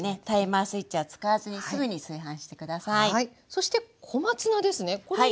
そして小松菜ですね。